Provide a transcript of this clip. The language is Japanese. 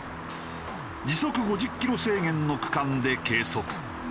時速５０キロ制限の区間で計測。